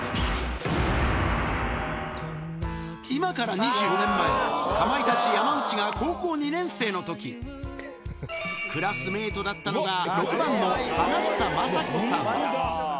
今から２５年前、かまいたち・山内が高校２年生のとき、クラスメートだったのが６番の花房正子さん。